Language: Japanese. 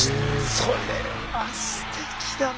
それはすてきだな。